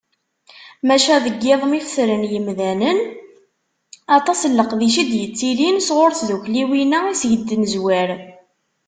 Maca deg yiḍ mi fetren yimdanen, aṭas n leqdic i d-yettilin sɣur tiddukkliwin-a iseg i d-nezwar.